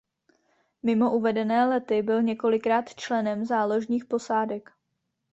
Mimo uvedené lety byl několikrát členem záložních posádek.